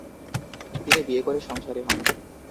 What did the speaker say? তিনি বিয়ে করে সংসারী হন।